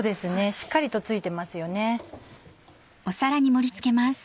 しっかりと付いてますよね。